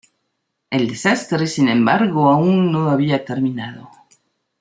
El desastre, sin embargo, aún no había terminado.